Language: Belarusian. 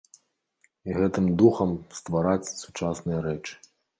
І гэтым духам ствараць сучасныя рэчы.